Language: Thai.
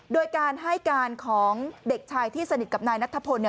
โดยการให้การของเด็กชายที่สนิทกับนายนัทพล